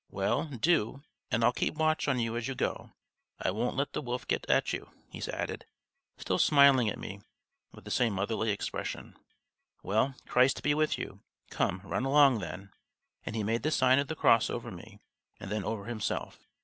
"Well, do, and I'll keep watch on you as you go. I won't let the wolf get at you," he added, still smiling at me with the same motherly expression. "Well, Christ be with you! Come, run along then," and he made the sign of the cross over me and then over himself.